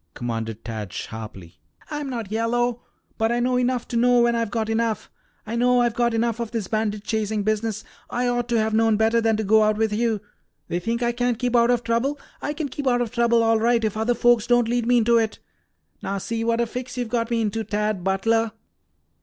commanded Tad sharply. "I'm not yellow. But I know enough to know when I've got enough. I know I've got enough of this bandit chasing business. I ought to have known better than to go out with you. They think I can't keep out of trouble. I can keep out of trouble all right if other folks don't lead me into it. Now see what a fix you've got me into, Tad Butler!"